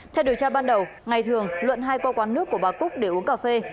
theo điều tra ban đầu ngày thường luận hay qua quán nước của bà cúc để uống cà phê